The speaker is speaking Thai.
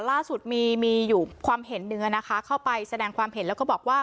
ล่าสุดมีอยู่ความเห็นหนึ่งนะคะเข้าไปแสดงความเห็นแล้วก็บอกว่า